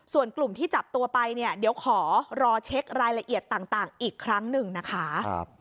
ส่วนกลุ่มที่จับตัวไปเนี่ยเดี๋ยวขอรอเช็ครายละเอียดต่างอีกครั้งหนึ่งนะคะ